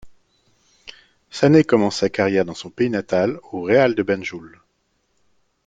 Sanneh commence sa carrière dans son pays natal, au Real de Banjul.